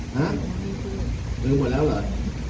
ฮะลืมหมดแล้วเหรอ